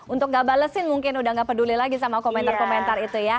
untuk gak balesin mungkin udah gak peduli lagi sama komentar komentar itu ya